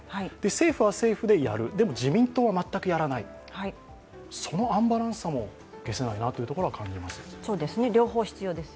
政府は政府でやる、でも自民党は全くやらないそのアンバランスさもげせないなというところがあります。